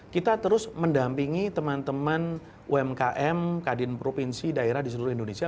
kita terus mendampingi teman teman umkm kadin provinsi daerah di seluruh indonesia